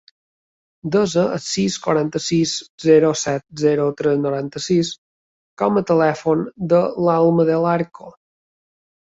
Desa el sis, quaranta-sis, zero, set, zero, tres, noranta-sis com a telèfon de l'Alma Del Arco.